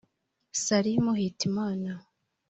Salim Hitimana